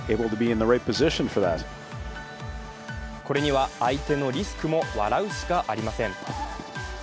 これには、相手のリスクも笑うしかありません。